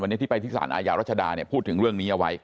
วันที่ไปที่ศาลลพระม่าอ่ะบรรชดาเนี่ยพูดถึงเรื่องนี้เอาไว้